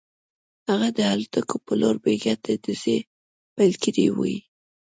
هغه د الوتکو په لور بې ګټې ډزې پیل کړې وې